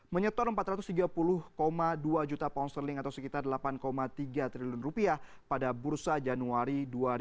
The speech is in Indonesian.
menyetor empat ratus tiga puluh dua juta pound sterling atau sekitar delapan tiga triliun rupiah pada bursa januari dua ribu dua puluh